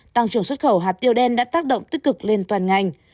tăng trưởng xuất khẩu hạt tiêu đen đã tác động tích cực lên toàn ngành